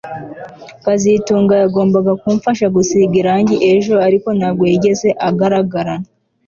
kazitunga yagombaga kumfasha gusiga irangi ejo ariko ntabwo yigeze agaragara